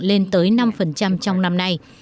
lên tới năm trong năm nay